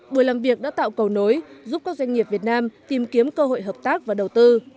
buổi làm việc đã tạo cầu nối giúp các doanh nghiệp việt nam tìm kiếm cơ hội hợp tác và đầu tư